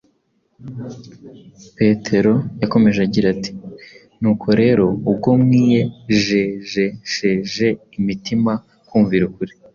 Petero yakomeje agira ati: “nuko rero ubwo mwiyejejesheje imitima kumvira ukuri